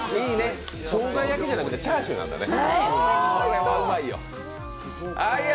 しょうが焼きじゃなくてチャーシューなんやね。